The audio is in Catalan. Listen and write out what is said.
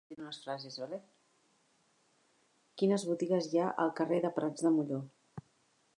Quines botigues hi ha al carrer de Prats de Molló?